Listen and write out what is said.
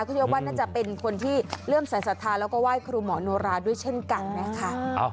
คือว่าน่าจะเป็นคนที่เริ่มสายสทาแล้วก็ไหว้ครูหมอนราด้วยเช่นกันนะค่ะ